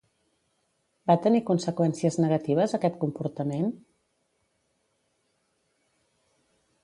Va tenir conseqüències negatives aquest comportament?